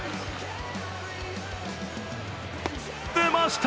出ました！